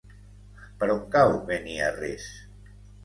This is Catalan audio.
Per on cau Beniarrés?